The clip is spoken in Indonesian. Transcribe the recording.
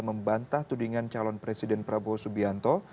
membantah tudingan calon presiden prabowo subianto